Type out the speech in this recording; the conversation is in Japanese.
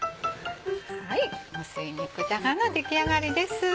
「無水肉じゃが」の出来上がりです。